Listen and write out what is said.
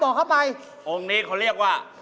เข้าไปองค์นี้เขาเรียกว่า